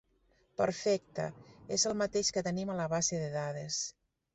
Perfecte, és el mateix que tenim a la base de dades.